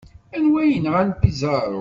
Anwa ay yenɣa Pizarro?